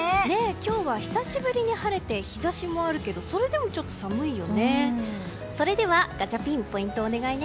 今日は久しぶりに晴れて日差しもあるけどそれでもちょっと寒いよね。